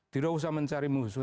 tidak usah mencari musuh